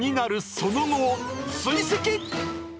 その後を追跡。